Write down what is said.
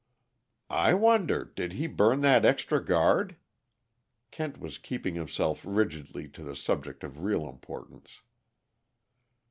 "I wonder, did he burn that extra guard?" Kent was keeping himself rigidly to the subject of real importance.